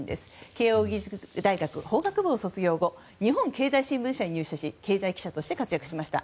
慶應義塾大学法学部を卒業後日本経済新聞社に入社し経済記者として活躍しました。